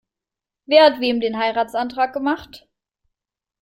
Wer hat wem den Heiratsantrag gemacht?